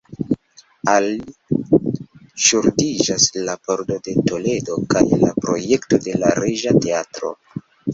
Al li ŝuldiĝas la Pordo de Toledo kaj la projekto de la Reĝa Teatro.